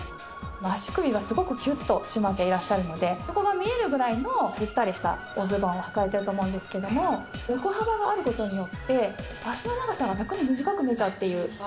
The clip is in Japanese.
足首がすごくキュッと締まっていらっしゃるのでそこが見えるぐらいのゆったりしたおズボンをはかれてると思うんですけども横幅がある事によって脚の長さが逆に短く見えちゃうっていう事になっちゃうんです。